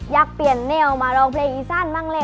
อยากเปลี่ยนแนวมาร้องเพลงอีซ่านบ้างเลย